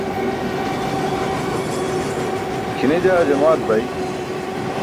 kʰine jaa jamaat bay